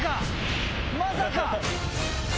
まさか！